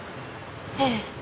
ええ。